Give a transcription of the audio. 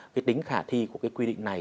cái tính khả thi của cái quy định này